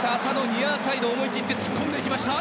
ニアサイド思い切って突っ込んでいきました。